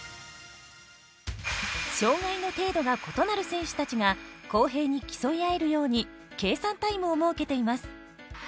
障がいの程度が異なる選手たちが公平に競い合えるように計算タイムを設けています。